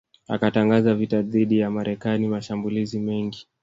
akatangaza vita dhidi ya Marekani mashambulizi mengi